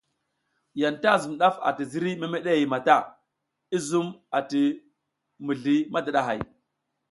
Yanta zun daf ati ziriy memede mata, i zum a ti mizli madidahay.